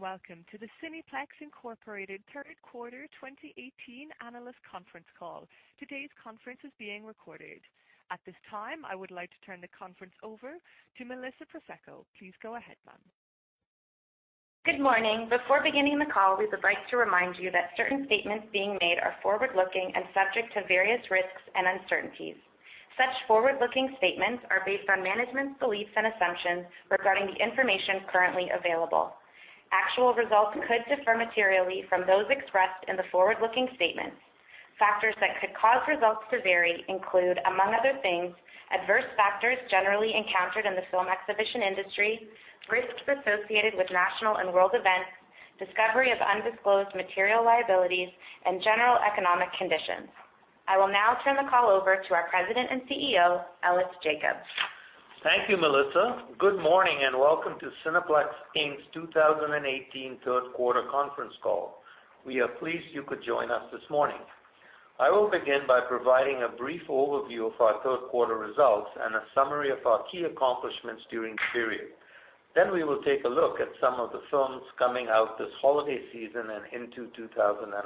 Good day, and welcome to the Cineplex Inc. third quarter 2018 analyst conference call. Today's conference is being recorded. At this time, I would like to turn the conference over to Melissa Pressacco. Please go ahead, ma'am. Good morning. Before beginning the call, we would like to remind you that certain statements being made are forward-looking and subject to various risks and uncertainties. Such forward-looking statements are based on management's beliefs and assumptions regarding the information currently available. Actual results could differ materially from those expressed in the forward-looking statements. Factors that could cause results to vary include, among other things, adverse factors generally encountered in the film exhibition industry, risks associated with national and world events, discovery of undisclosed material liabilities, and general economic conditions. I will now turn the call over to our President and CEO, Ellis Jacob. Thank you, Melissa. Good morning, and welcome to Cineplex Inc.'s 2018 third-quarter conference call. We are pleased you could join us this morning. I will begin by providing a brief overview of our third-quarter results and a summary of our key accomplishments during the period. We will take a look at some of the films coming out this holiday season and into 2019.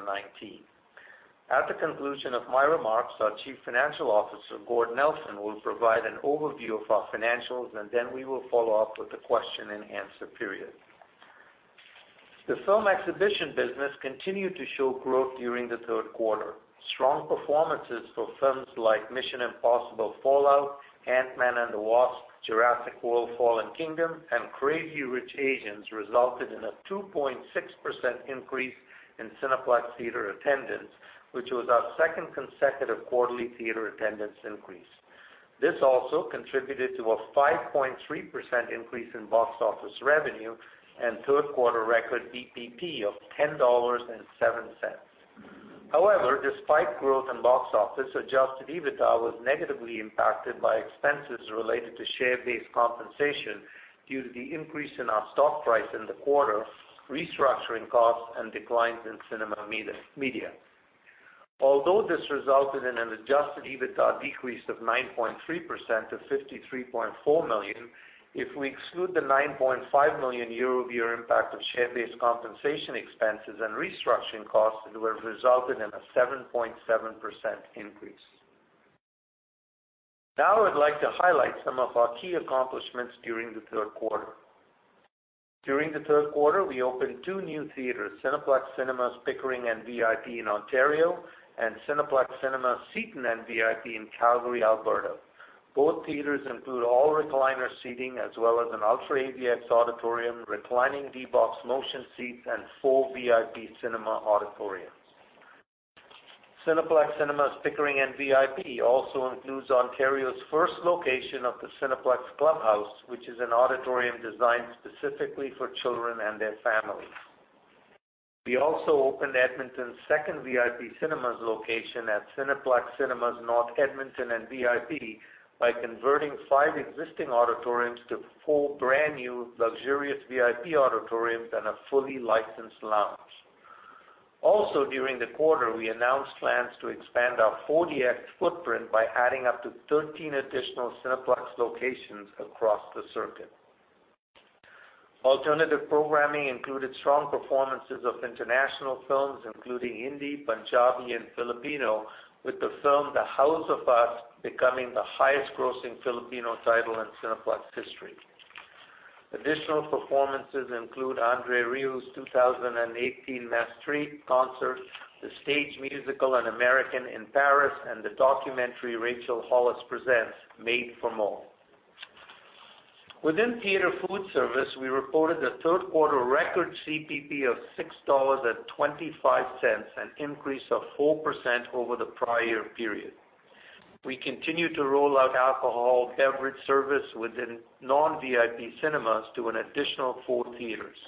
At the conclusion of my remarks, our Chief Financial Officer, Gord Nelson, will provide an overview of our financials, we will follow up with the question-and-answer period. The film exhibition business continued to show growth during the third quarter. Strong performances for films like "Mission: Impossible – Fallout," "Ant-Man and the Wasp," "Jurassic World: Fallen Kingdom," and "Crazy Rich Asians" resulted in a 2.6% increase in Cineplex theater attendance, which was our second consecutive quarterly theater attendance increase. This also contributed to a 5.3% increase in box office revenue and third-quarter record BPP of 10.07 dollars. However, despite growth in box office, adjusted EBITDA was negatively impacted by expenses related to share-based compensation due to the increase in our stock price in the quarter, restructuring costs, and declines in cinema media. Although this resulted in an adjusted EBITDA decrease of 9.3% to 53.4 million, if we exclude the 9.5 million year-over-year impact of share-based compensation expenses and restructuring costs, it would have resulted in a 7.7% increase. Now I'd like to highlight some of our key accomplishments during the third quarter. During the third quarter, we opened two new theaters, Cineplex Cinemas Pickering and VIP in Ontario and Cineplex Cinemas Seton and VIP in Calgary, Alberta. Both theaters include all-recliner seating as well as an UltraAVX auditorium, reclining D-BOX motion seats, and four VIP cinema auditoriums. Cineplex Cinemas Pickering and VIP also includes Ontario's first location of the Cineplex Clubhouse, which is an auditorium designed specifically for children and their families. We also opened Edmonton's second VIP Cinemas location at Cineplex Cinemas North Edmonton and VIP by converting five existing auditoriums to four brand-new luxurious VIP auditoriums and a fully licensed lounge. During the quarter, we announced plans to expand our 4DX footprint by adding up to 13 additional Cineplex locations across the circuit. Alternative programming included strong performances of international films, including Hindi, Punjabi, and Filipino, with the film "The Hows of Us" becoming the highest-grossing Filipino title in Cineplex history. Additional performances include André Rieu's 2018 Maastricht concert, the stage musical "An American in Paris," and the documentary "Rachel Hollis Presents: Made for More." Within theater food service, we reported a third-quarter record CPP of 6.25 dollars, an increase of 4% over the prior period. We continued to roll out alcohol beverage service within non-VIP Cinemas to an additional four theaters.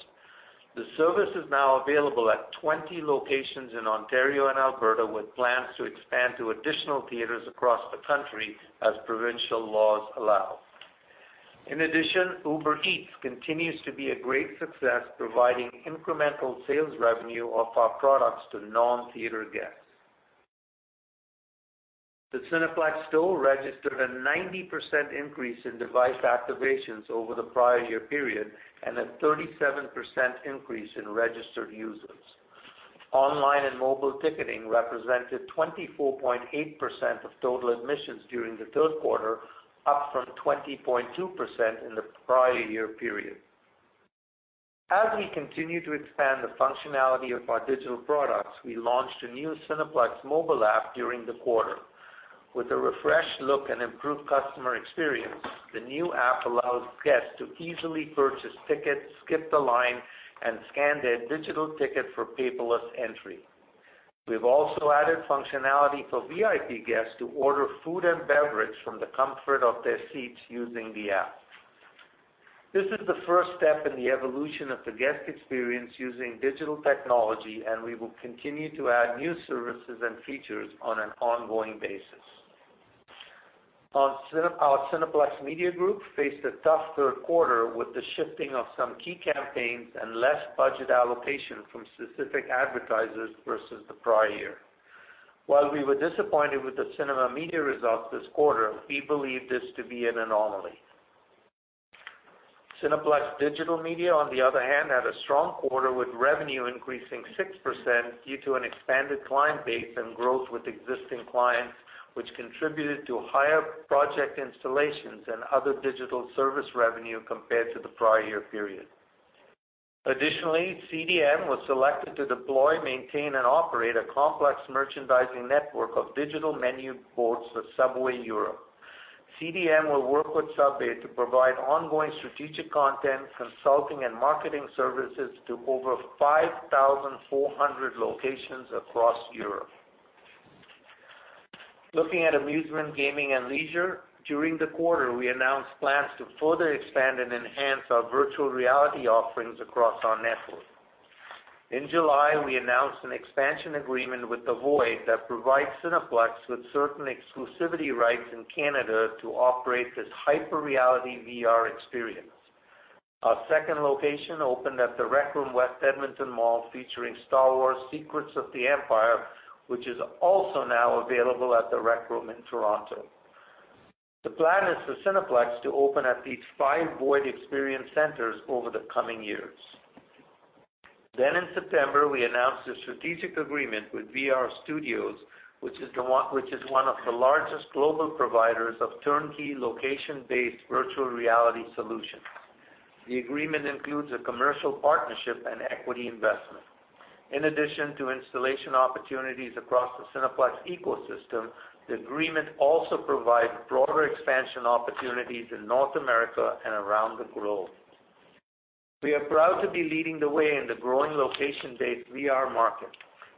The service is now available at 20 locations in Ontario and Alberta, with plans to expand to additional theaters across the country as provincial laws allow. In addition, Uber Eats continues to be a great success, providing incremental sales revenue of our products to non-theater guests. The Cineplex Store registered a 90% increase in device activations over the prior year period and a 37% increase in registered users. Online and mobile ticketing represented 24.8% of total admissions during the third quarter, up from 20.2% in the prior year period. As we continue to expand the functionality of our digital products, we launched a new Cineplex mobile app during the quarter. With a refreshed look and improved customer experience, the new app allows guests to easily purchase tickets, skip the line, and scan their digital ticket for paperless entry. We've also added functionality for VIP guests to order food and beverage from the comfort of their seats using the app. This is the first step in the evolution of the guest experience using digital technology, and we will continue to add new services and features on an ongoing basis. Our Cineplex Media Group faced a tough third quarter with the shifting of some key campaigns and less budget allocation from specific advertisers versus the prior year. While we were disappointed with the cinema media results this quarter, we believe this to be an anomaly. Cineplex Digital Media, on the other hand, had a strong quarter, with revenue increasing 6% due to an expanded client base and growth with existing clients, which contributed to higher project installations and other digital service revenue compared to the prior year period. Additionally, CDM was selected to deploy, maintain, and operate a complex merchandising network of digital menu boards for Subway Europe. CDM will work with Subway to provide ongoing strategic content, consulting, and marketing services to over 5,400 locations across Europe. Looking at amusement, gaming, and leisure. During the quarter, we announced plans to further expand and enhance our virtual reality offerings across our network. In July, we announced an expansion agreement with The Void that provides Cineplex with certain exclusivity rights in Canada to operate this hyper-reality VR experience. Our second location opened at The Rec Room West Edmonton Mall, featuring Star Wars: Secrets of the Empire, which is also now available at The Rec Room in Toronto. The plan is for Cineplex to open at least five The Void experience centers over the coming years. In September, we announced a strategic agreement with VRstudios, which is one of the largest global providers of turnkey location-based virtual reality solutions. The agreement includes a commercial partnership and equity investment. In addition to installation opportunities across the Cineplex ecosystem, the agreement also provides broader expansion opportunities in North America and around the globe. We are proud to be leading the way in the growing location-based VR market,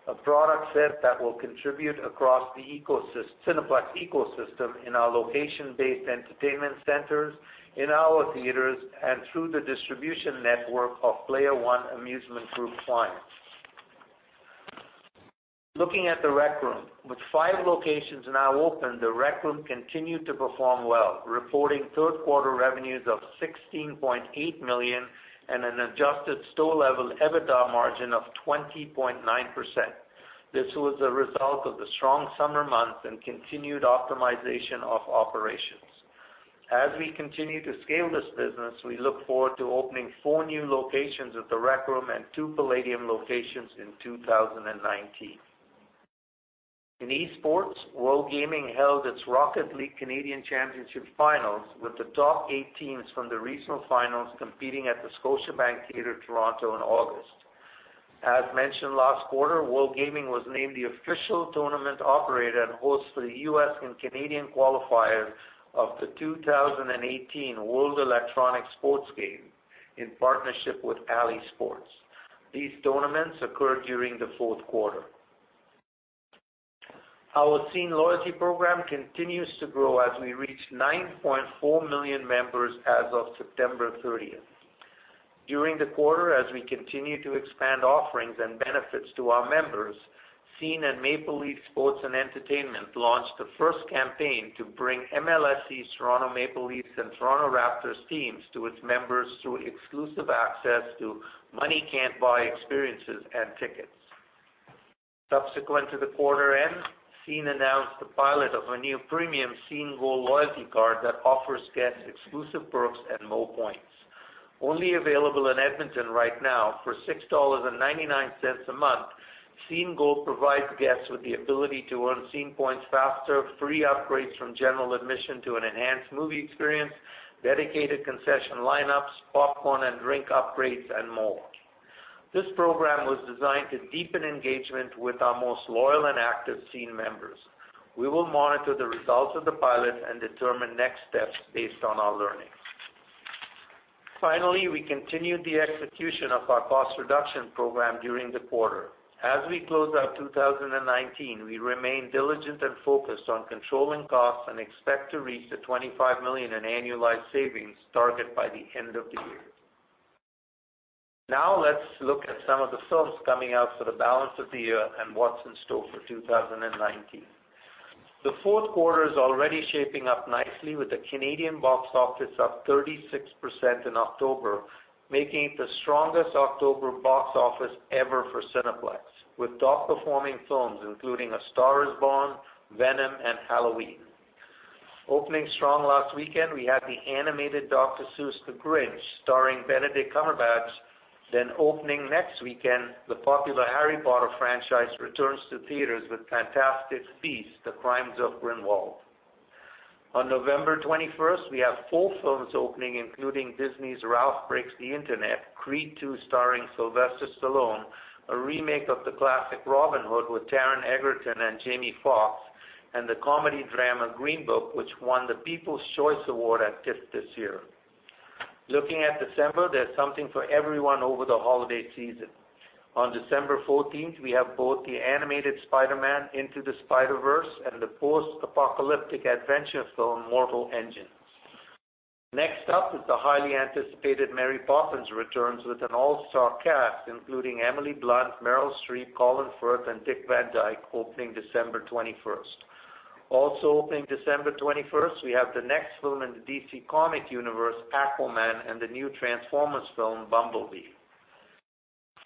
a product set that will contribute across the Cineplex ecosystem in our location-based entertainment centers, in our theaters, and through the distribution network of Player One Amusement Group clients. Looking at The Rec Room. With five locations now open, The Rec Room continued to perform well, reporting third-quarter revenues of 16.8 million and an adjusted store-level EBITDA margin of 20.9%. This was a result of the strong summer months and continued optimization of operations. As we continue to scale this business, we look forward to opening four new locations of The Rec Room and two Playdium locations in 2019. In esports, WorldGaming held its Rocket League Canadian Championship finals, with the top eight teams from the regional finals competing at the Scotiabank Theatre Toronto in August. As mentioned last quarter, WorldGaming was named the official tournament operator and host for the U.S. and Canadian qualifiers of the 2018 World Electronic Sports Games in partnership with Alisports. These tournaments occurred during the fourth quarter. Our Scene loyalty program continues to grow as we reach 9.4 million members as of September 30th. During the quarter, as we continue to expand offerings and benefits to our members, Scene and Maple Leaf Sports & Entertainment launched the first campaign to bring MLSE Toronto Maple Leafs and Toronto Raptors teams to its members through exclusive access to money-can't-buy experiences and tickets. Subsequent to the quarter end, Scene announced the pilot of a new premium Scene Gold loyalty card that offers guests exclusive perks and more points. Only available in Edmonton right now, for 6.99 dollars a month, Scene Gold provides guests with the ability to earn Scene points faster, free upgrades from general admission to an enhanced movie experience, dedicated concession lineups, popcorn and drink upgrades, and more. This program was designed to deepen engagement with our most loyal and active Scene members. We will monitor the results of the pilot and determine next steps based on our learnings. We continued the execution of our cost reduction program during the quarter. As we close out 2019, we remain diligent and focused on controlling costs and expect to reach the 25 million in annualized savings target by the end of the year. Let's look at some of the films coming out for the balance of the year and what's in store for 2019. The fourth quarter is already shaping up nicely with the Canadian box office up 36% in October, making it the strongest October box office ever for Cineplex, with top-performing films including "A Star Is Born," "Venom," and "Halloween." Opening strong last weekend, we had the animated Dr. Seuss "The Grinch" starring Benedict Cumberbatch. Opening next weekend, the popular Harry Potter franchise returns to theaters with "Fantastic Beasts: The Crimes of Grindelwald." On November 21st, we have four films opening, including Disney's "Ralph Breaks the Internet," "Creed II" starring Sylvester Stallone, a remake of the classic "Robin Hood" with Taron Egerton and Jamie Foxx, and the comedy-drama "Green Book," which won the People's Choice Award at TIFF this year. Looking at December, there's something for everyone over the holiday season. On December 14th, we have both the animated "Spider-Man: Into the Spider-Verse" and the post-apocalyptic adventure film "Mortal Engines." Next up is the highly anticipated "Mary Poppins Returns" with an all-star cast including Emily Blunt, Meryl Streep, Colin Firth, and Dick Van Dyke opening December 21st. Also opening December 21st, we have the next film in the DC Extended Universe, "Aquaman," and the new Transformers film, "Bumblebee."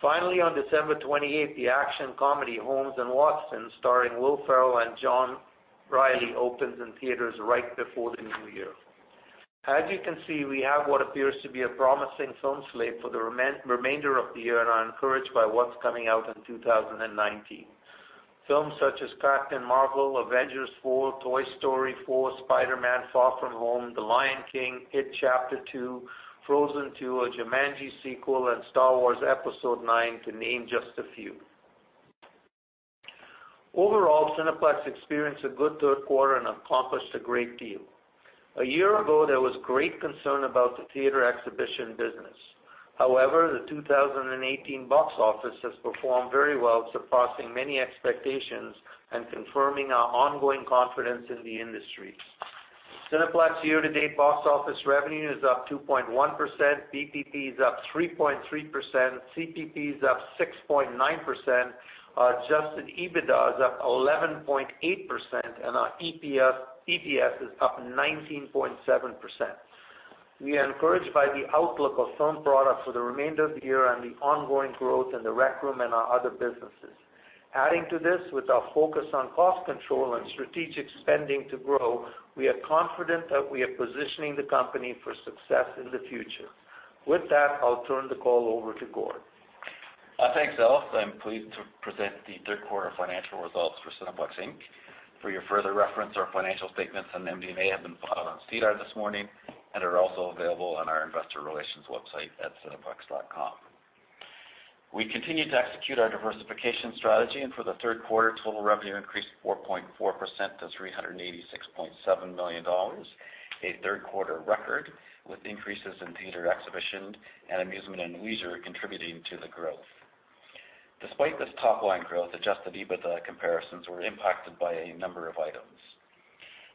On December 28th, the action comedy "Holmes & Watson" starring Will Ferrell and John Reilly opens in theaters right before the new year. As you can see, we have what appears to be a promising film slate for the remainder of the year, and are encouraged by what's coming out in 2019. Films such as "Captain Marvel," "Avengers 4," "Toy Story 4," "Spider-Man: Far From Home," "The Lion King," "It Chapter Two," "Frozen II," a Jumanji sequel, and "Star Wars: Episode IX," to name just a few. Overall, Cineplex experienced a good third quarter and accomplished a great deal. A year ago, there was great concern about the theater exhibition business. The 2018 box office has performed very well, surpassing many expectations and confirming our ongoing confidence in the industry. Cineplex year-to-date box office revenue is up 2.1%, BPP is up 3.3%, CPP is up 6.9%, adjusted EBITDA is up 11.8%, and our EPS is up 19.7%. We are encouraged by the outlook of film product for the remainder of the year and the ongoing growth in The Rec Room and our other businesses. Adding to this, with our focus on cost control and strategic spending to grow, we are confident that we are positioning the company for success in the future. With that, I'll turn the call over to Gord. Thanks, Ellis. I'm pleased to present the third quarter financial results for Cineplex Inc. For your further reference, our financial statements on MD&A have been filed on SEDAR this morning and are also available on our investor relations website at cineplex.com. We continue to execute our diversification strategy, and for the third quarter, total revenue increased 4.4% to 386.7 million dollars, a third-quarter record, with increases in theater exhibition and amusement and leisure contributing to the growth. Despite this top-line growth, adjusted EBITDA comparisons were impacted by a number of items.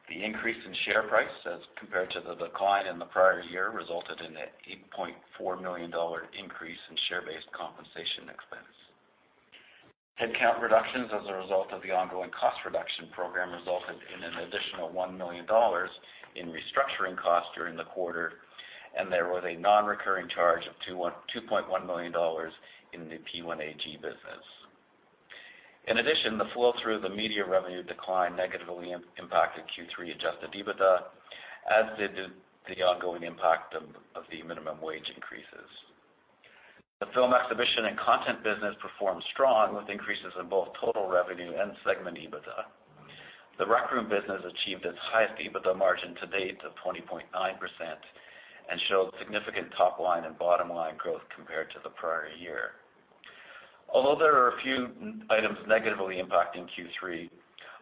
The increase in share price as compared to the decline in the prior year resulted in a 8.4 million dollar increase in share-based compensation expense. Headcount reductions as a result of the ongoing cost reduction program resulted in an additional 1 million dollars in restructuring costs during the quarter, and there was a non-recurring charge of 2.1 million dollars in the P1AG business. In addition, the flow through the media revenue decline negatively impacted Q3 adjusted EBITDA, as did the ongoing impact of the minimum wage increases. The film exhibition and content business performed strong, with increases in both total revenue and segment EBITDA. The Rec Room business achieved its highest EBITDA margin to date of 20.9% and showed significant top-line and bottom-line growth compared to the prior year. Although there are a few items negatively impacting Q3,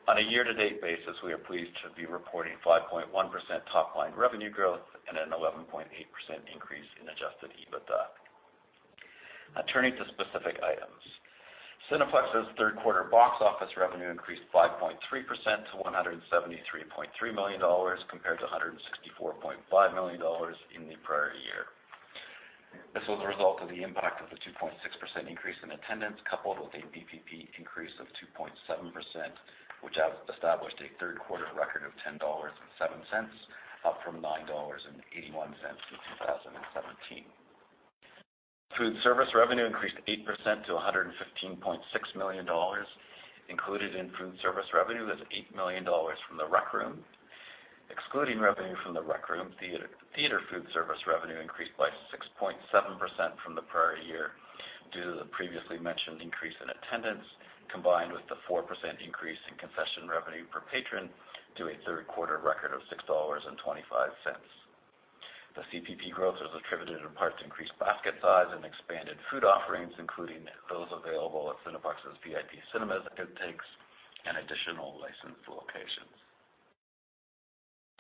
on a year-to-date basis, we are pleased to be reporting 5.1% top-line revenue growth and an 11.8% increase in adjusted EBITDA. Now turning to specific items. Cineplex's third quarter box office revenue increased 5.3% to 173.3 million dollars, compared to 164.5 million dollars in the prior year. This was a result of the impact of the 2.6% increase in attendance, coupled with a BPP increase of 2.7%, which established a third-quarter record of 10.07 dollars, up from 9.81 dollars in 2017. Food service revenue increased 8% to 115.6 million dollars. Included in food service revenue was 8 million dollars from The Rec Room. Excluding revenue from The Rec Room, theater food service revenue increased by 6.7% from the prior year due to the previously mentioned increase in attendance, combined with the 4% increase in concession revenue per patron to a third quarter record of 6.25 dollars. The CPP growth was attributed in part to increased basket size and expanded food offerings, including those available at Cineplex's VIP Cinemas at Outtakes and additional licensed locations.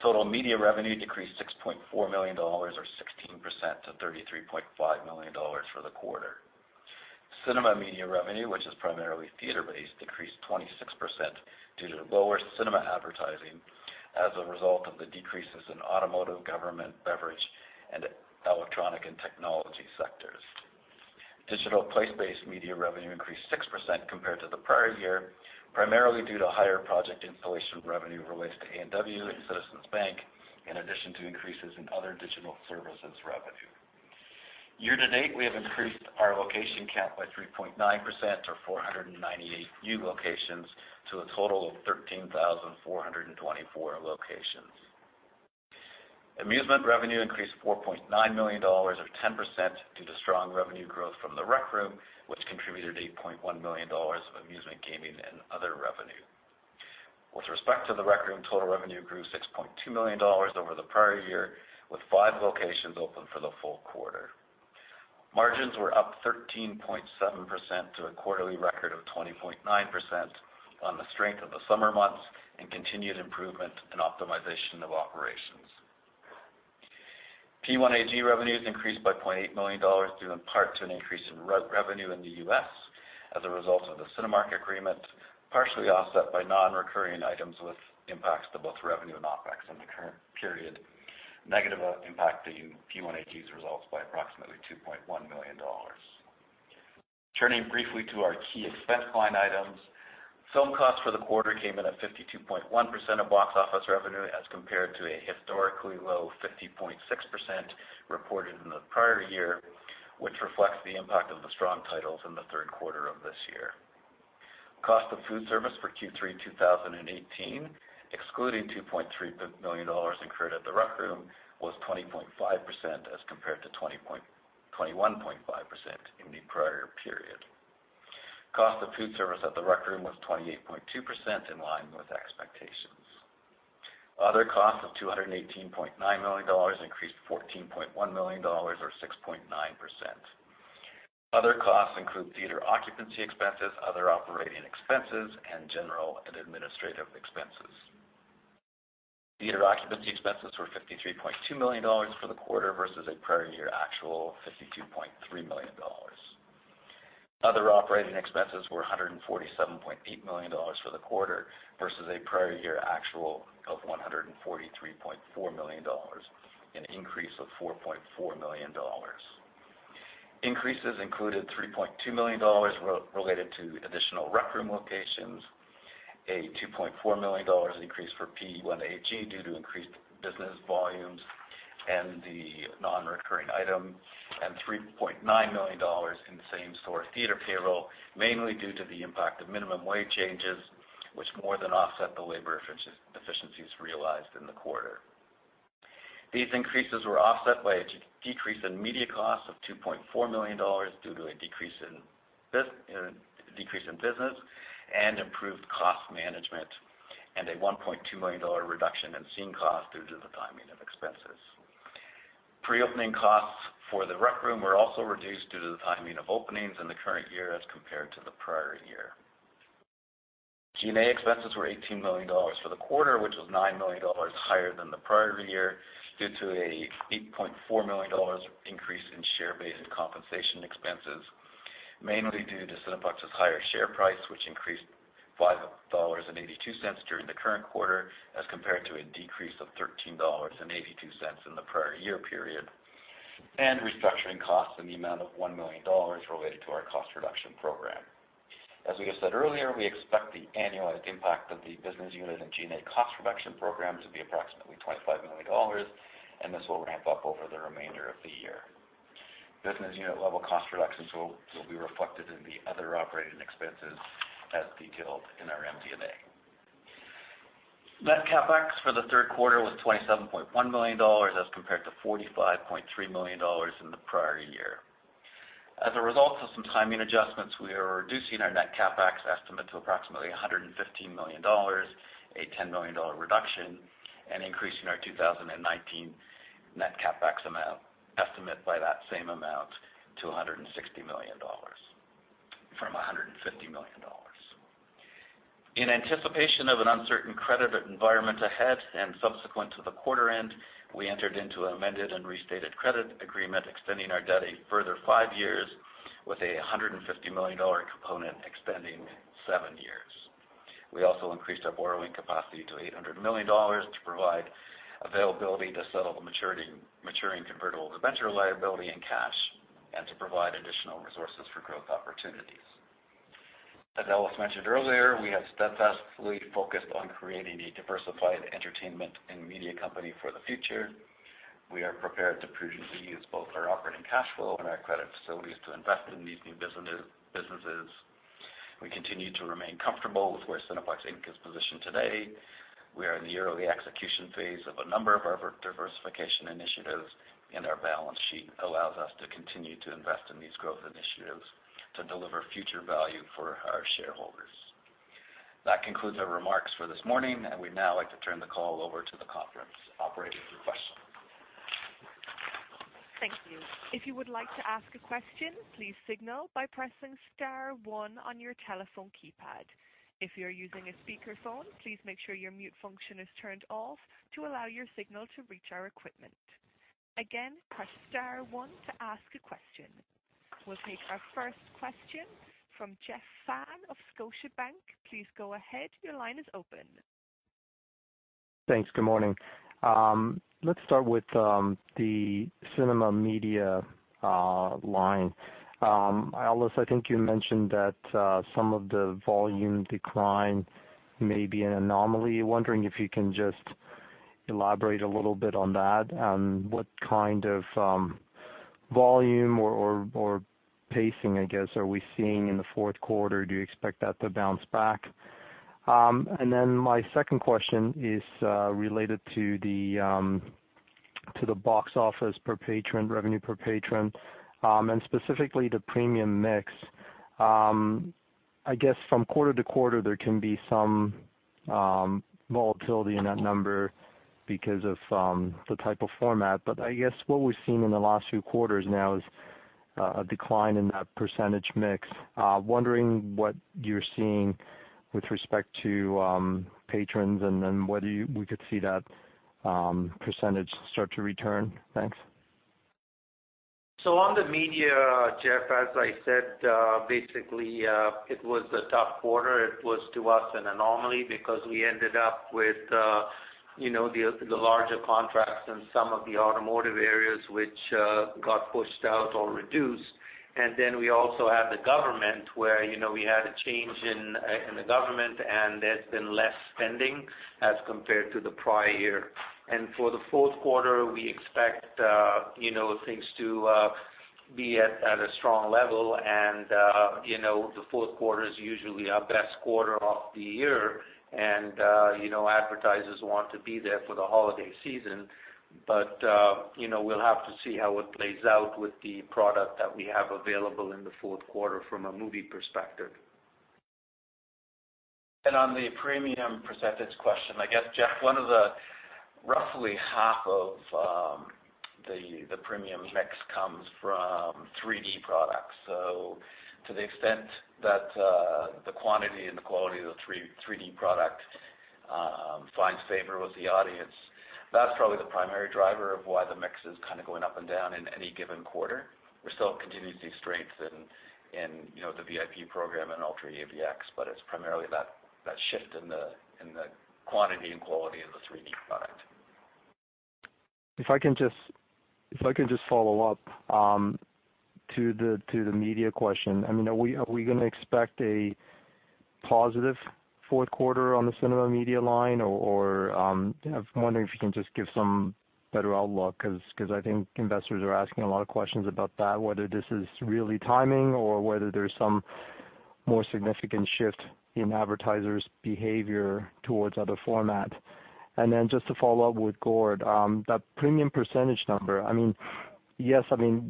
Total media revenue decreased 6.4 million dollars or 16% to 33.5 million dollars for the quarter. Cinema media revenue, which is primarily theater-based, decreased 26% due to lower cinema advertising as a result of the decreases in automotive, government, beverage, and electronic and technology sectors. Digital place-based media revenue increased 6% compared to the prior year, primarily due to higher project installation revenue related to A&W and Citizens Bank, in addition to increases in other digital services revenue. Year to date, we have increased our location count by 3.9% or 498 new locations to a total of 13,424 locations. Amusement revenue increased 4.9 million dollars or 10% due to strong revenue growth from The Rec Room, which contributed 8.1 million dollars of amusement gaming and other revenue. With respect to The Rec Room, total revenue grew 6.2 million dollars over the prior year, with five locations open for the full quarter. Margins were up 13.7% to a quarterly record of 20.9% on the strength of the summer months and continued improvement and optimization of operations. P1AG revenues increased by 0.8 million dollars, due in part to an increase in revenue in the U.S. as a result of the Cinemark agreement, partially offset by non-recurring items with impacts to both revenue and OpEx in the current period, negative impacting P1AG's results by approximately 2.1 million dollars. Turning briefly to our key expense line items. Film costs for the quarter came in at 52.1% of box office revenue as compared to a historically low 50.6% reported in the prior year, which reflects the impact of the strong titles in the third quarter of this year. Cost of food service for Q3, 2018, excluding 2.3 million dollars incurred at The Rec Room, was 20.5% as compared to 21.5% in the prior period. Cost of food service at The Rec Room was 28.2%, in line with expectations. Other costs of 218.9 million dollars increased to 14.1 million dollars or 6.9%. Other costs include theater occupancy expenses, other operating expenses, and general and administrative expenses. Theater occupancy expenses were 53.2 million dollars for the quarter versus a prior year actual of 52.3 million dollars. Other operating expenses were 147.8 million dollars for the quarter versus a prior year actual of 143.4 million dollars, an increase of 4.4 million dollars. Increases included 3.2 million dollars related to additional Rec Room locations, a 2.4 million dollars increase for P1AG due to increased business volumes and the non-recurring item, and 3.9 million dollars in same-store theater payroll, mainly due to the impact of minimum wage changes, which more than offset the labor efficiencies realized in the quarter. These increases were offset by a decrease in media costs of 2.4 million dollars due to a decrease in business and improved cost management, and a 1.2 million dollar reduction in Scene cost due to the timing of expenses. Pre-opening costs for The Rec Room were also reduced due to the timing of openings in the current year as compared to the prior year. G&A expenses were 18 million dollars for the quarter, which was 9 million dollars higher than the prior year, due to an 8.4 million dollars increase in share-based compensation expenses, mainly due to Cineplex's higher share price, which increased 5.82 dollars during the current quarter as compared to a decrease of 13.82 dollars in the prior year period, and restructuring costs in the amount of 1 million dollars related to our cost reduction program. As we have said earlier, we expect the annualized impact of the business unit and G&A cost reduction programs to be approximately 25 million dollars, and this will ramp up over the remainder of the year. Business unit level cost reductions will be reflected in the other operating expenses as detailed in our MD&A. Net CapEx for the third quarter was 27.1 million dollars as compared to 45.3 million dollars in the prior year. As a result of some timing adjustments, we are reducing our net CapEx estimate to approximately 115 million dollars, a 10 million dollar reduction, and increasing our 2019 net CapEx amount estimate by that same amount to 160 million dollars from 150 million dollars. In anticipation of an uncertain credit environment ahead and subsequent to the quarter end, we entered into an amended and restated credit agreement extending our debt a further five years with a 150 million dollar component extending seven years. We also increased our borrowing capacity to 800 million dollars to provide availability to settle the maturing convertible debenture liability in cash and to provide additional resources for growth opportunities. As Ellis mentioned earlier, we have steadfastly focused on creating a diversified entertainment and media company for the future. We are prepared to prudently use both our operating cash flow and our credit facilities to invest in these new businesses. We continue to remain comfortable with where Cineplex Inc. is positioned today. Our balance sheet allows us to continue to invest in these growth initiatives to deliver future value for our shareholders. That concludes our remarks for this morning, we'd now like to turn the call over to the conference operator for questions. Thank you. If you would like to ask a question, please signal by pressing star one on your telephone keypad. If you're using a speakerphone, please make sure your mute function is turned off to allow your signal to reach our equipment. Again, press star one to ask a question. We'll take our first question from Jeff Fan of Scotiabank. Please go ahead. Your line is open. Thanks. Good morning. Let's start with the cinema media line. Ellis, I think you mentioned that some of the volume decline may be an anomaly. Wondering if you can just elaborate a little bit on that. What kind of volume or pacing, I guess, are we seeing in the fourth quarter? Do you expect that to bounce back? My second question is related to the box office per patron, revenue per patron, and specifically the premium mix. I guess from quarter to quarter, there can be some volatility in that number because of the type of format. I guess what we've seen in the last few quarters now is a decline in that percentage mix. Wondering what you're seeing with respect to patrons and then whether we could see that percentage start to return. Thanks. On the media, Jeff, as I said, basically, it was a tough quarter. It was to us an anomaly because we ended up with the larger contracts in some of the automotive areas which got pushed out or reduced. We also have the government where we had a change in the government, and there's been less spending as compared to the prior year. For the fourth quarter, we expect things to be at a strong level and the fourth quarter is usually our best quarter of the year. Advertisers want to be there for the holiday season. We'll have to see how it plays out with the product that we have available in the fourth quarter from a movie perspective. On the premium percentage question, I guess, Jeff, one of the roughly half of the premium mix comes from 3D products. To the extent that the quantity and the quality of the 3D product finds favor with the audience, that's probably the primary driver of why the mix is kind of going up and down in any given quarter. We still continue to see strength in the VIP program and UltraAVX, it's primarily that shift in the quantity and quality of the 3D product. If I can just follow up to the media question. Are we going to expect a positive fourth quarter on the Cineplex Media line, or I was wondering if you can just give some better outlook, because I think investors are asking a lot of questions about that, whether this is really timing or whether there's some more significant shift in advertisers' behavior towards other format. Just to follow up with Gord, that premium percentage number, yes,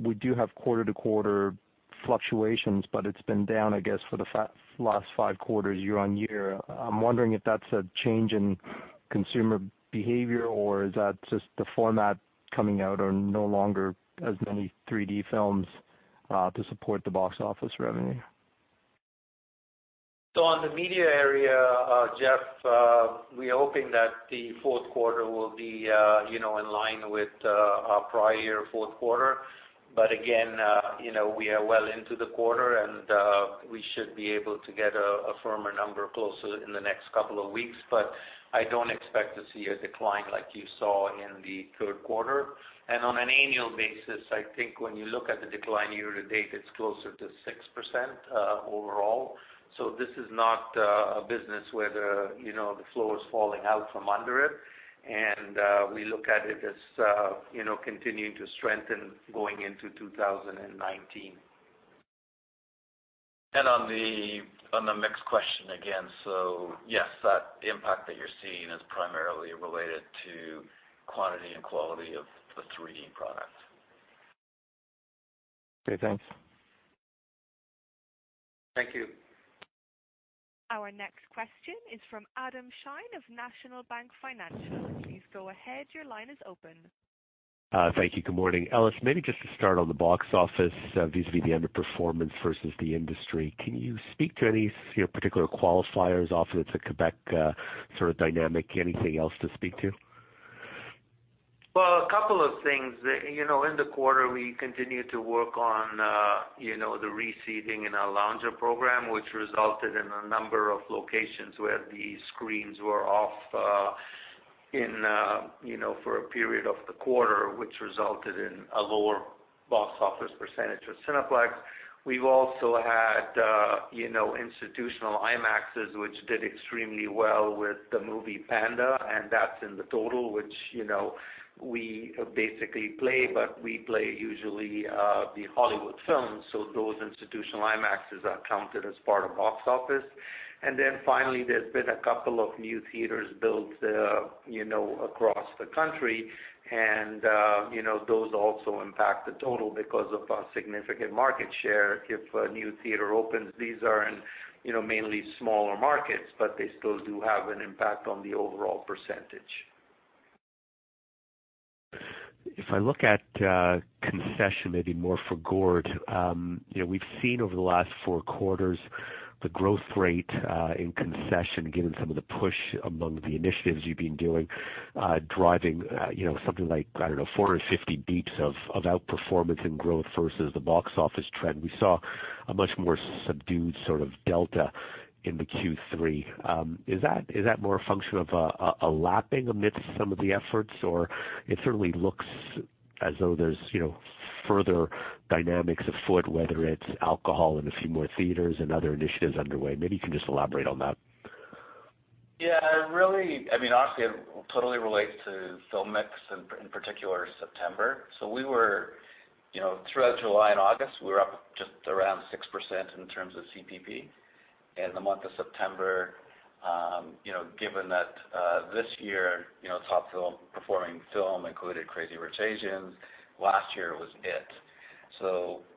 we do have quarter-to-quarter fluctuations, but it's been down, I guess, for the last five quarters year-on-year. I'm wondering if that's a change in consumer behavior or is that just the format coming out or no longer as many 3D films to support the box office revenue. On the media area, Jeff, we're hoping that the fourth quarter will be in line with our prior year fourth quarter. Again, we are well into the quarter and we should be able to get a firmer number closer in the next couple of weeks. I don't expect to see a decline like you saw in the third quarter. On an annual basis, I think when you look at the decline year-to-date, it's closer to 6% overall. This is not a business where the floor is falling out from under it. We look at it as continuing to strengthen going into 2019. On the mix question again, yes, that impact that you're seeing is primarily related to quantity and quality of the 3D product. Okay, thanks. Thank you. Our next question is from Adam Shine of National Bank Financial. Please go ahead. Your line is open. Thank you. Good morning. Ellis, maybe just to start on the box office vis-à-vis the underperformance versus the industry. Can you speak to any particular qualifiers off of the Quebec sort of dynamic? Anything else to speak to? Well, a couple of things. In the quarter we continued to work on the reseating in our lounger program, which resulted in a number of locations where the screens were off for a period of the quarter, which resulted in a lower box office percentage for Cineplex. We've also had institutional IMAXs, which did extremely well with the movie Pandas, and that's in the total, which we basically play, but we play usually the Hollywood films. Those institutional IMAXs are counted as part of box office. Finally, there's been a couple of new theaters built across the country. Those also impact the total because of significant market share if a new theater opens. These are in mainly smaller markets, but they still do have an impact on the overall percentage. If I look at concession, maybe more for Gord, we've seen over the last four quarters the growth rate in concession, given some of the push among the initiatives you've been doing driving something like, I don't know, 450 basis points of outperformance and growth versus the box office trend. We saw a much more subdued sort of delta in the Q3. Is that more a function of a lapping amidst some of the efforts? Or it certainly looks as though there's further dynamics afoot, whether it's alcohol in a few more theaters and other initiatives underway. Maybe you can just elaborate on that. Yeah, really, honestly, it totally relates to film mix, in particular September. Throughout July and August, we were up just around 6% in terms of CPP. In the month of September, given that this year top performing film included "Crazy Rich Asians," last year it was "It."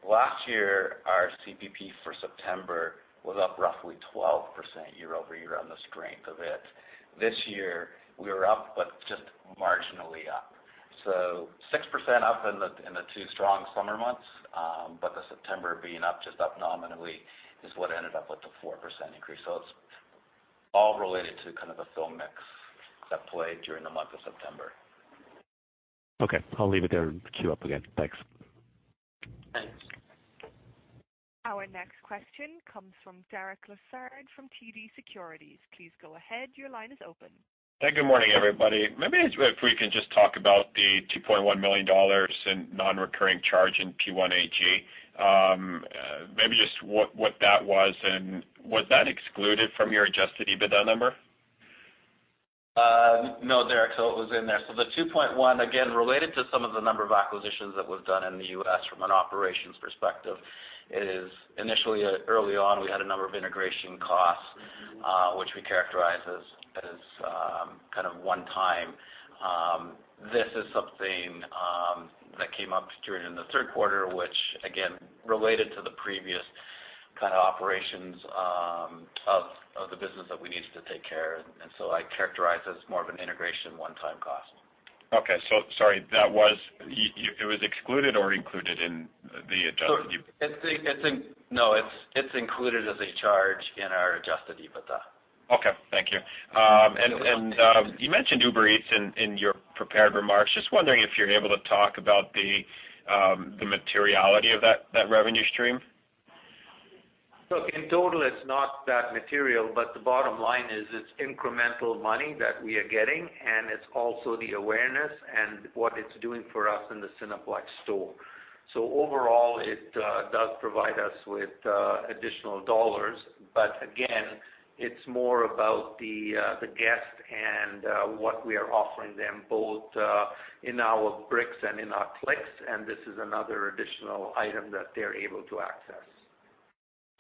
Last year our CPP for September was up roughly 12% year-over-year on the strength of "It." This year we were up, but just marginally up. 6% up in the two strong summer months, but the September being up just up nominally is what ended up with the 4% increase. It's all related to kind of the film mix that played during the month of September. Okay. I'll leave it there and queue up again. Thanks. Thanks. Our next question comes from Derek Lessard from TD Securities. Please go ahead. Your line is open. Hey, good morning, everybody. Maybe if we can just talk about the 2.1 million dollars in non-recurring charge in P1AG. Maybe just what that was, and was that excluded from your adjusted EBITDA number? No, Derek. It was in there. The 2.1, again, related to some of the number of acquisitions that was done in the U.S. from an operations perspective, is initially early on, we had a number of integration costs, which we characterize as kind of one-time. This is something that came up during the third quarter, which again, related to the previous kind of operations of the business that we needed to take care of, and so I characterize as more of an integration one-time cost. Okay. Sorry, it was excluded or included in the adjusted EBITDA? No, it's included as a charge in our adjusted EBITDA. Okay, thank you. You mentioned Uber Eats in your prepared remarks. Just wondering if you are able to talk about the materiality of that revenue stream. Look, in total, it's not that material, but the bottom line is it's incremental money that we are getting, and it's also the awareness and what it's doing for us in the Cineplex Store. Overall, it does provide us with additional dollars. Again, it's more about the guest and what we are offering them both in our bricks and in our clicks, and this is another additional item that they're able to access.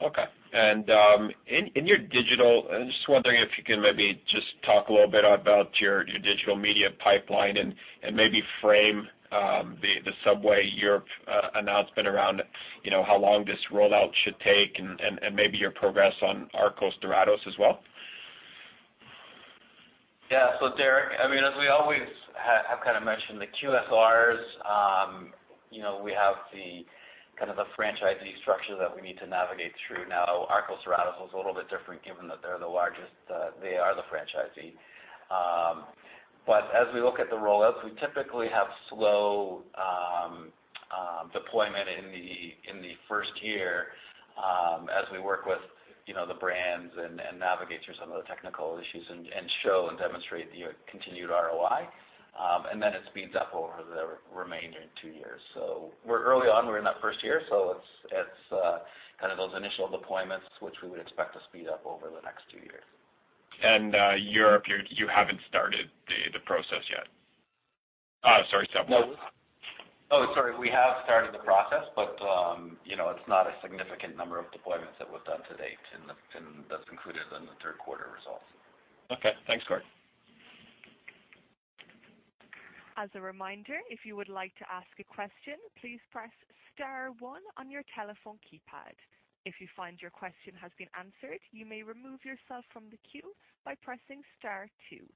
Okay. In your digital, I'm just wondering if you can maybe just talk a little bit about your digital media pipeline and maybe frame the Subway Europe announcement around how long this rollout should take and maybe your progress on Arcos Dorados as well. Yeah. Derek, as we always have kind of mentioned the QSRs, we have the franchisee structure that we need to navigate through. Now, Arcos Dorados is a little bit different given that they are the franchisee. But as we look at the rollouts, we typically have slow deployment in the first year, as we work with the brands and navigate through some of the technical issues and show and demonstrate the continued ROI. Then it speeds up over the remaining two years. We're early on, we're in that first year, so it's kind of those initial deployments, which we would expect to speed up over the next two years. Europe, you haven't started the process yet? Sorry, Subway. No. Oh, sorry. We have started the process, but it's not a significant number of deployments that we've done to date, and that's included in the third quarter results. Okay. Thanks, Gord. As a reminder, if you would like to ask a question, please press star one on your telephone keypad. If you find your question has been answered, you may remove yourself from the queue by pressing star two.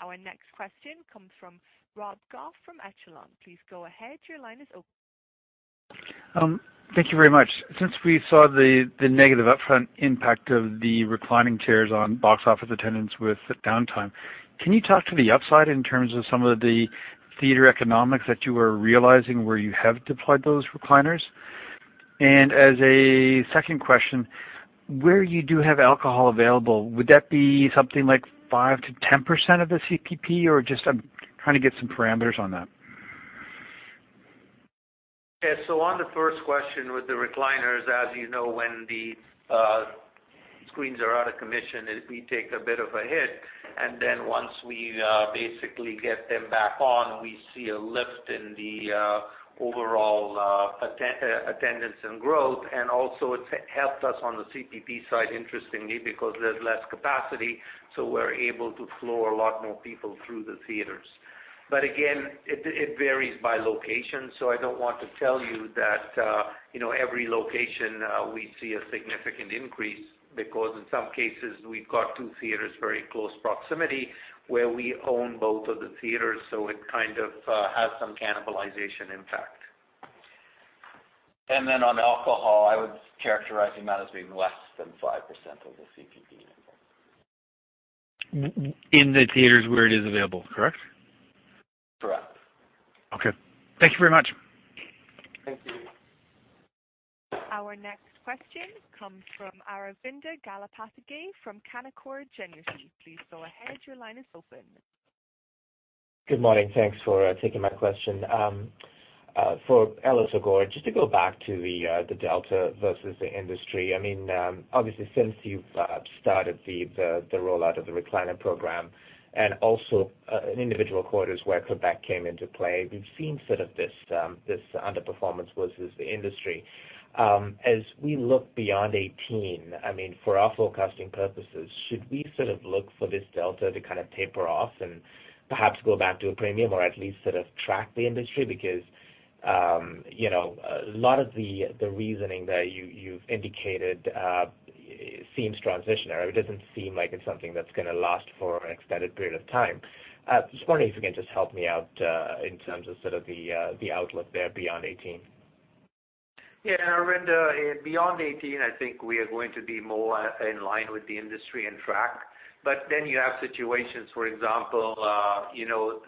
Our next question comes from Rob Goff from Echelon. Please go ahead. Your line is open. Thank you very much. Since we saw the negative upfront impact of the reclining chairs on box office attendance with the downtime, can you talk to the upside in terms of some of the theater economics that you are realizing where you have deployed those recliners? As a second question, where you do have alcohol available, would that be something like 5%-10% of the CPP or just I'm trying to get some parameters on that? On the first question with the recliners, as you know, when the screens are out of commission, we take a bit of a hit, then once we basically get them back on, we see a lift in the overall attendance and growth. Also it's helped us on the CPP side, interestingly, because there's less capacity, we're able to floor a lot more people through the theaters. Again, it varies by location. I don't want to tell you that every location we see a significant increase because in some cases we've got two theaters very close proximity where we own both of the theaters, it kind of has some cannibalization impact. On alcohol, I would characterize the amount as being less than 5% of the CPP number. In the theaters where it is available, correct? Correct. Okay. Thank you very much. Thank you. Our next question comes from Aravinda Galappatthige from Canaccord Genuity. Please go ahead. Your line is open. Good morning. Thanks for taking my question. For Ellis or Gord, just to go back to the delta versus the industry. Obviously since you've started the rollout of the recliner program and also in individual quarters where Quebec came into play, we've seen sort of this underperformance versus the industry. As we look beyond 2018, for our forecasting purposes, should we sort of look for this delta to kind of taper off and perhaps go back to a premium or at least sort of track the industry? Because a lot of the reasoning that you've indicated seems transitionary. It doesn't seem like it's something that's going to last for an extended period of time. Just wondering if you can just help me out in terms of sort of the outlook there beyond 2018. Yeah, Aravinda, beyond 2018, I think we are going to be more in line with the industry and track. You have situations, for example,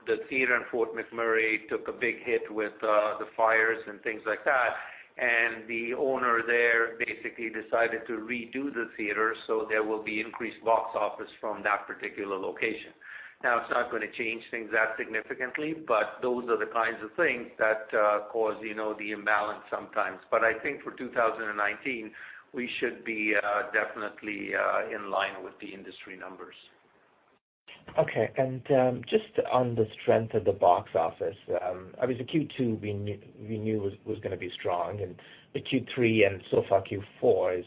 the theater in Fort McMurray took a big hit with the fires and things like that, and the owner there basically decided to redo the theater, so there will be increased box office from that particular location. It's not going to change things that significantly, those are the kinds of things that cause the imbalance sometimes. I think for 2019, we should be definitely in line with the industry numbers. Okay. Just on the strength of the box office. Obviously Q2 we knew was going to be strong, the Q3 and so far Q4 has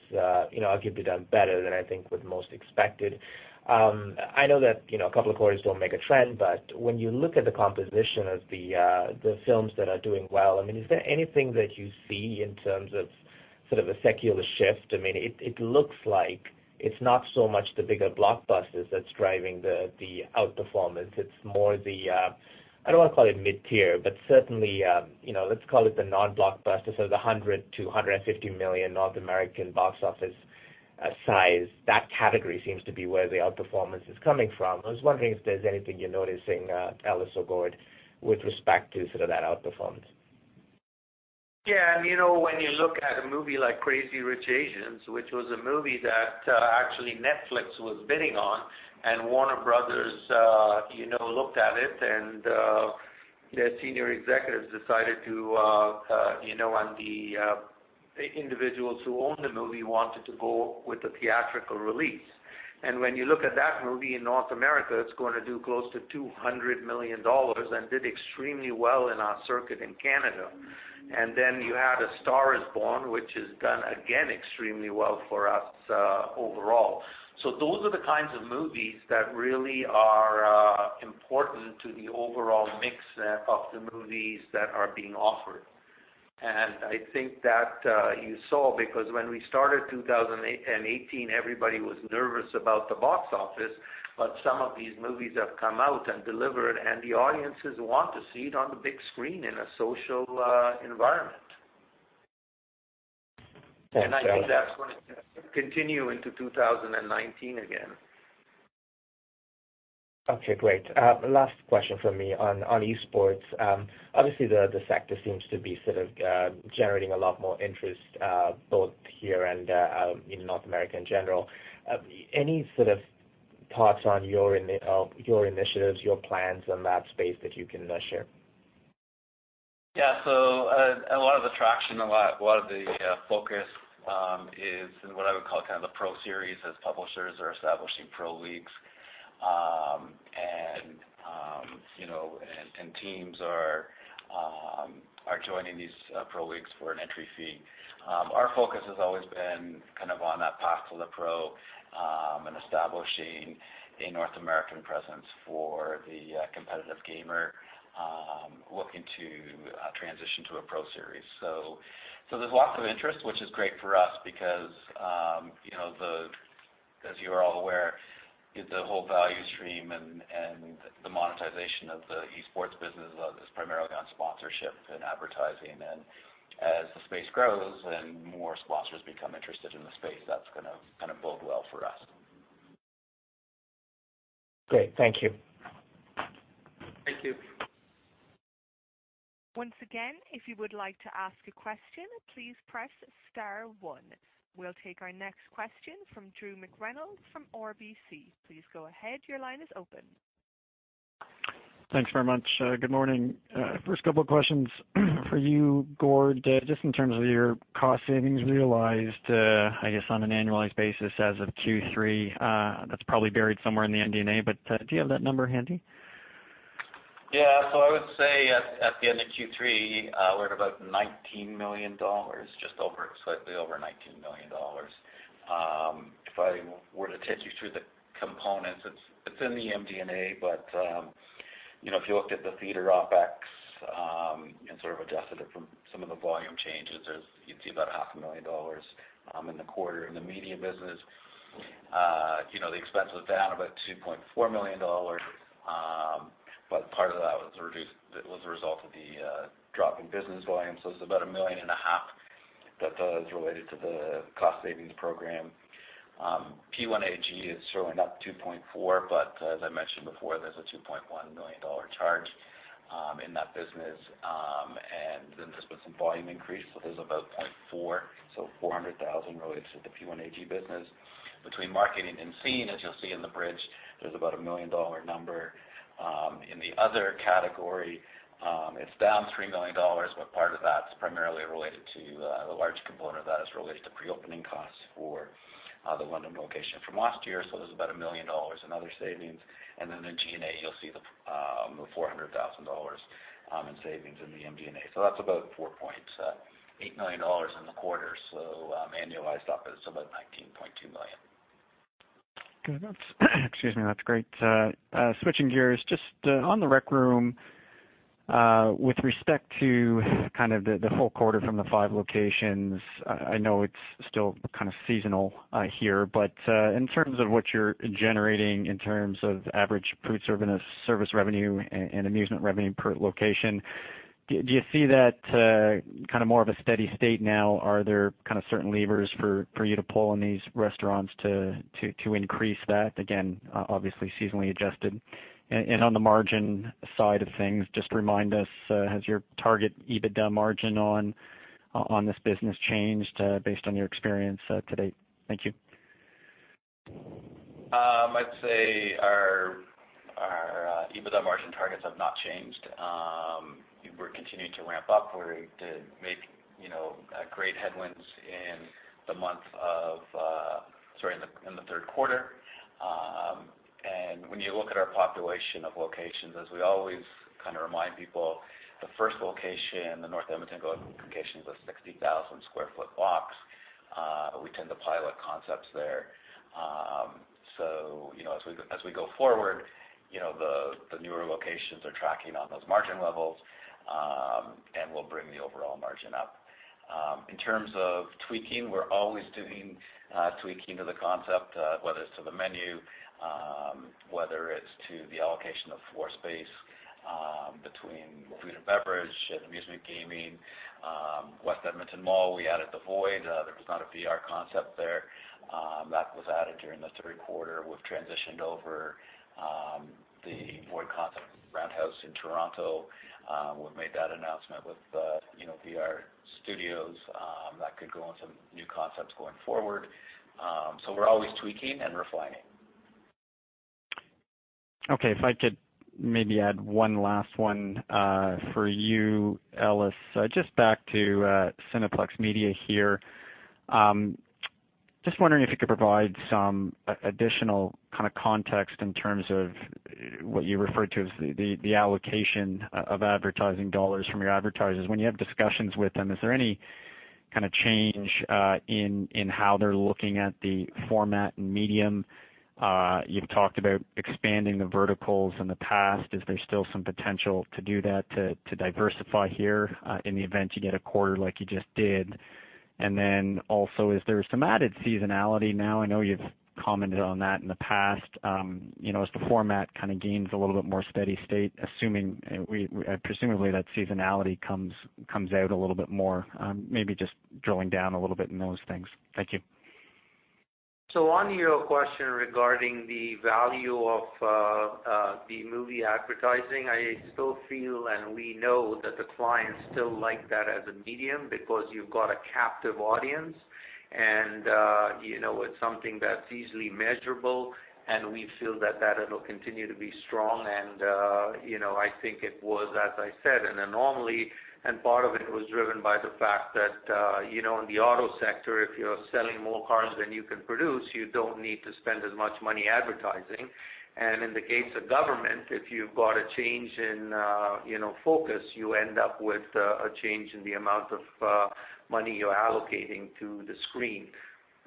arguably done better than I think what most expected. I know that a couple of quarters don't make a trend, when you look at the composition of the films that are doing well, is there anything that you see in terms of sort of a secular shift? It looks like it's not so much the bigger blockbusters that's driving the outperformance. It's more the, I don't want to call it mid-tier, but certainly let's call it the non-blockbusters. The $100 million-$150 million North American box office size. That category seems to be where the outperformance is coming from. I was wondering if there's anything you're noticing, Ellis or Gord, with respect to that outperformance. When you look at a movie like "Crazy Rich Asians" which was a movie that actually Netflix was bidding on, Warner Bros. looked at it, their senior executives decided to, the individuals who owned the movie wanted to go with the theatrical release. When you look at that movie in North America, it's going to do close to $200 million and did extremely well in our circuit in Canada. You had "A Star Is Born" which has done again extremely well for us overall. Those are the kinds of movies that really are important to the overall mix of the movies that are being offered. I think that you saw, because when we started 2018, everybody was nervous about the box office, but some of these movies have come out and delivered, and the audiences want to see it on the big screen in a social environment. Thanks, Gord. I think that's going to continue into 2019 again. Okay, great. Last question from me on esports. Obviously the sector seems to be sort of generating a lot more interest both here and in North America in general. Any sort of thoughts on your initiatives, your plans in that space that you can share? Yeah. A lot of the traction, a lot of the focus is in what I would call kind of the pro series as publishers are establishing pro leagues. Teams are joining these pro leagues for an entry fee. Our focus has always been kind of on that path to the pro, and establishing a North American presence for the competitive gamer looking to transition to a pro series. There's lots of interest, which is great for us because as you are all aware, the whole value stream and the monetization of the esports business is primarily on sponsorship and advertising. As the space grows and more sponsors become interested in the space, that's going to kind of bode well for us. Great. Thank you. Thank you. Once again, if you would like to ask a question, please press star one. We will take our next question from Drew McReynolds from RBC. Please go ahead. Your line is open. Thanks very much. Good morning. First couple of questions for you, Gord. Just in terms of your cost savings realized, I guess on an annualized basis as of Q3, that is probably buried somewhere in the MD&A, but do you have that number handy? Yeah. I would say at the end of Q3, we're at about 19 million dollars, just slightly over 19 million dollars. If I were to take you through the components, it's in the MD&A, but if you looked at the theater OpEx, and sort of adjusted it from some of the volume changes, you'd see about half a million CAD in the quarter. In the media business the expense was down about 2.4 million dollars. Part of that was a result of the drop in business volume. It's about a million and a half CAD that is related to the cost savings program. P1AG is certainly not 2.4, but as I mentioned before, there's a 2.1 million dollar charge in that business. Then there's been some volume increase. There's about 400,000 related to the P1AG business. Between marketing and Scene, as you'll see in the bridge, there's about a million CAD number. In the other category, it's down 3 million dollars. Part of that's primarily related to the large component that is related to pre-opening costs for the London location from last year. There's about a million CAD in other savings. Then in G&A, you'll see the 400,000 dollars in savings in the MD&A. That's about 4.8 million dollars in the quarter. Annualized, that is about 19.2 million. Good. That's great. Switching gears, just on The Rec Room, with respect to kind of the whole quarter from the five locations, I know it's still kind of seasonal here, but in terms of what you're generating in terms of average food service revenue and amusement revenue per location. Do you see that more of a steady state now? Are there certain levers for you to pull in these restaurants to increase that? Again, obviously, seasonally adjusted. On the margin side of things, just remind us, has your target EBITDA margin on this business changed based on your experience to date? Thank you. I'd say our EBITDA margin targets have not changed. We're continuing to ramp up. We made great headwinds in the third quarter. When you look at our population of locations, as we always kind of remind people, the first location, the North Edmonton location, is a 60,000 sq ft box. We tend to pilot concepts there. As we go forward, the newer locations are tracking on those margin levels, and we'll bring the overall margin up. In terms of tweaking, we're always doing tweaking to the concept, whether it's to the menu, whether it's to the allocation of floor space between food and beverage and amusement gaming. West Edmonton Mall, we added The Void. There was not a VR concept there. That was added during the third quarter. We've transitioned over The Void concept Roundhouse in Toronto. We've made that announcement with VRstudios that could go on some new concepts going forward. We're always tweaking and refining. Okay, if I could maybe add one last one for you, Ellis. Just back to Cineplex Media here. Just wondering if you could provide some additional kind of context in terms of what you referred to as the allocation of advertising dollars from your advertisers. When you have discussions with them, is there any kind of change in how they're looking at the format and medium? You've talked about expanding the verticals in the past. Is there still some potential to do that, to diversify here in the event you get a quarter like you just did? Then also, is there some added seasonality now? I know you've commented on that in the past. As the format kind of gains a little bit more steady state, presumably that seasonality comes out a little bit more. Maybe just drilling down a little bit in those things. Thank you. On your question regarding the value of the movie advertising, I still feel, and we know that the clients still like that as a medium because you've got a captive audience, and it's something that's easily measurable, and we feel that it'll continue to be strong. I think it was, as I said, an anomaly, and part of it was driven by the fact that in the auto sector, if you're selling more cars than you can produce, you don't need to spend as much money advertising. In the case of government, if you've got a change in focus, you end up with a change in the amount of money you're allocating to the screen.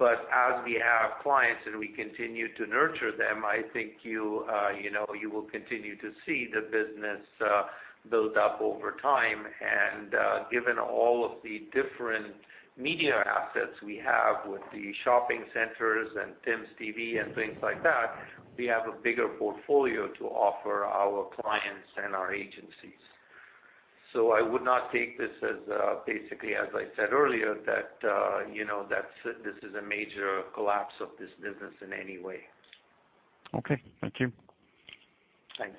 As we add clients and we continue to nurture them, I think you will continue to see the business build up over time. Given all of the different media assets we have with the shopping centers and TimsTV and things like that, we have a bigger portfolio to offer our clients and our agencies. I would not take this as, basically, as I said earlier, that this is a major collapse of this business in any way. Okay. Thank you. Thanks.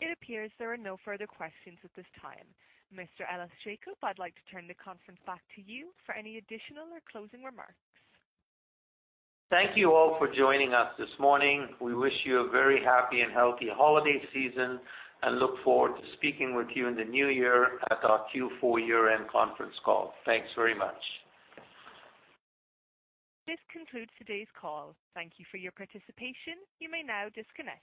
It appears there are no further questions at this time. Mr. Ellis Jacob, I'd like to turn the conference back to you for any additional or closing remarks. Thank you all for joining us this morning. We wish you a very happy and healthy holiday season, and look forward to speaking with you in the new year at our Q4 year-end conference call. Thanks very much. This concludes today's call. Thank you for your participation. You may now disconnect.